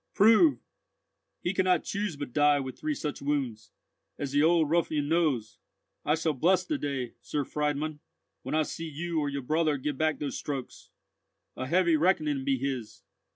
"Prove! He could not choose but die with three such wounds, as the old ruffian knows. I shall bless the day, Sir Friedmund, when I see you or your brother give back those strokes! A heavy reckoning be his."